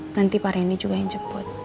nanti pak reni juga yang jemput